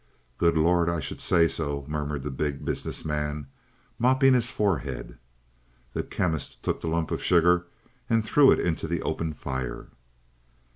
"Good Lord, I should say so!" murmured the Big Business Man, mopping his forehead. The Chemist took the lump of sugar and threw it into the open fire.